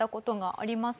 あります。